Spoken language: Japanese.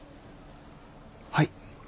はい。